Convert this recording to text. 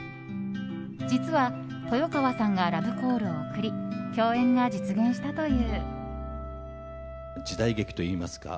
実は豊川さんがラブコールを送り共演が実現したという。